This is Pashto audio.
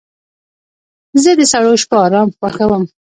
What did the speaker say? زه د سړو شپو آرام خوښوم.